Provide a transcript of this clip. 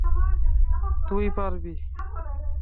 তুই পারবি!